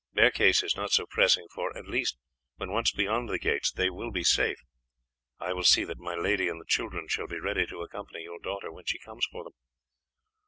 Their case is not so pressing, for, at least, when once beyond the gates they will be safe. I will see that my lady and the children shall be ready to accompany your daughter when she comes for them."